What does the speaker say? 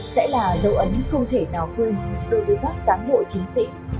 sẽ là dấu ấn không thể nào quên đối với các cán bộ chiến sĩ